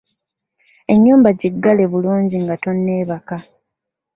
Ennyumba gyiggale bulungi nga toneebaka.